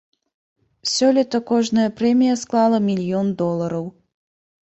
Сёлета кожная прэмія склала мільён долараў.